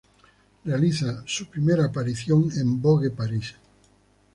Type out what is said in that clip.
Realiza su primera aparición en Vogue París.